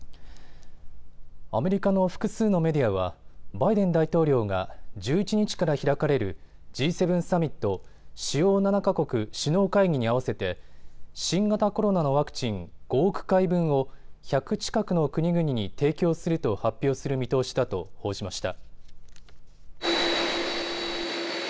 アメリカの複数のメディアはバイデン大統領が１１日から開かれるＧ７サミット・主要７か国首脳会議に合わせて新型コロナのワクチン５億回分を１００近くの国々に提供すると発表する見通しだと報じました。